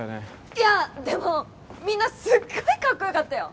いやでもみんなすっごいカッコよかったよ